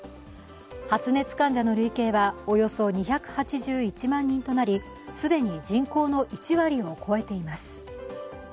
発熱患者の累計はおよそ２８１万人となり既に人口の１割を超えています。